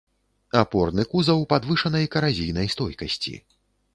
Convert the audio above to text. Апорны кузаў падвышанай каразійнай стойкасці.